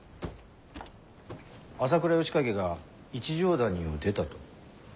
朝倉義景が一乗谷を出たと。